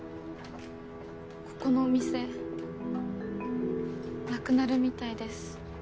ここのお店なくなるみたいです。